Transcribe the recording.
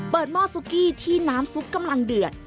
หม้อซุกี้ที่น้ำซุปกำลังเดือด